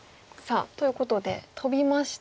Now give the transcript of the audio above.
ということでトビまして。